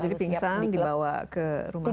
jadi pingsan dibawa ke rumah sakit